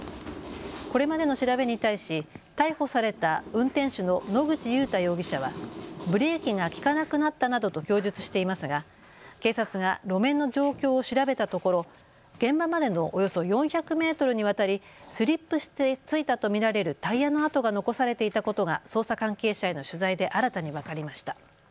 これまでの調べに対し逮捕された運転手の野口祐太容疑者はブレーキが利かなくなったなどと供述していますが警察が路面の状況を調べたところ現場までのおよそ４００メートルにわたりスリップしてついたたと見られるタイヤの跡が残されていたことが捜査関係者への取材で新たに分かりました。